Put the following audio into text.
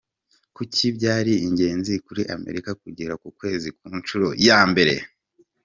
Kuki byari ingenzi kuri Amerika kugera ku Kwezi ku nshuro ya mbere?.